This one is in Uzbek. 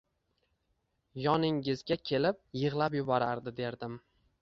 Yoningizga kelib yig’lab yuborardi derdim.